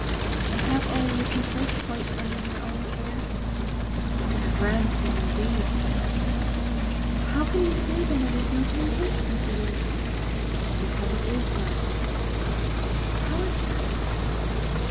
"And have all your people quite under your own care?" "A grand thing, indeed, mother!" "How can you say then it is no temptation to you?" "Because it is none." "How is that?"